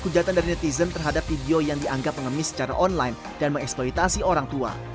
kujatan dari netizen terhadap video yang dianggap pengemis secara online dan mengeksploitasi orang tua